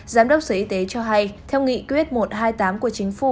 giám đốc sở y tế cho hay theo nghị quyết một trăm hai mươi tám của chính phủ